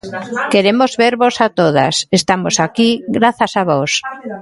Queremos vervos a todas, estamos aquí grazas a vós.